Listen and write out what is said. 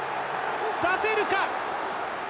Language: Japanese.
出せるか。